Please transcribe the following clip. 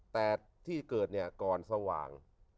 แต่ที่เกิดเนี่ยก่อนสว่าง